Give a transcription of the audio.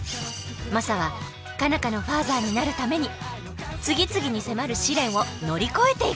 マサは佳奈花のファーザーになるために次々に迫る試練を乗り越えていく。